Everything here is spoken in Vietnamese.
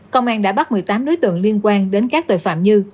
công an đã bắt một mươi tám đối tượng liên quan đến các tội phạm như